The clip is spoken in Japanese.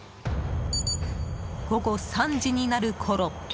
午後３時になるころ